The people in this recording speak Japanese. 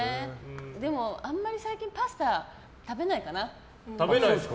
でも、あまり最近パスタ食べないかな。